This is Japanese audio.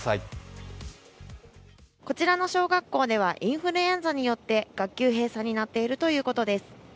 こちらの小学校ではインフルエンザによって学級閉鎖になっているということです。